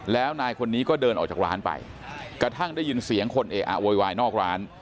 แล้วนายคนนี้ก็เดินออกจากร้านไปกระทั่งได้ยินเสียงคนเออะโวยวายนอกร้าน